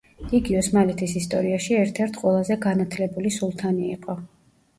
იგი ოსმალეთის ისტორიაში ერთ-ერთ ყველაზე განათლებული სულთანი იყო.